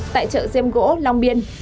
tại chợ xem gỗ long biên